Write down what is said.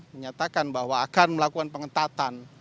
menyatakan bahwa akan melakukan pengetatan